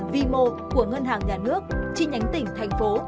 vi mô của ngân hàng nhà nước chi nhánh tỉnh thành phố